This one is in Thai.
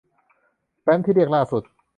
แฟ้มที่เรียกล่าสุด